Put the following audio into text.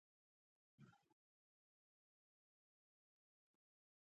خو کله کله یې عکسونو ته وګورئ.